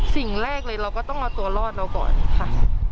สิ่งแรกเลยเราก็ต้องเอาตัวรอดเราก่อนค่ะ